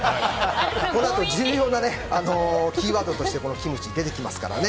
この後、重要なキーワードとしてこのキムチ、出てきますからね。